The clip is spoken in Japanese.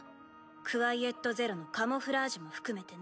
クワイエット・ゼロのカモフラージュも含めてね。